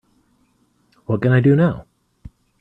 what can I do now?